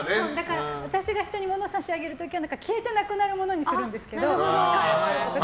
私が人にものを差し上げる時は消えてなくなるものにするんですけど。